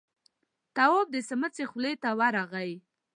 تواب د سمڅې خولې ته ورغی.